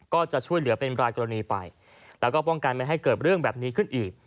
ก็จะช่วยเหลือเป็นรายกรณีไปแล้วก็ป้องกันไม่ให้เกิดเรื่องแบบนี้ขึ้นอีก